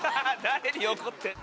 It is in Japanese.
誰に怒ってる？